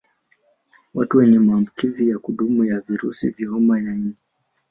Watu wenye maambukizi ya kudumu ya virusi vya homa ya ini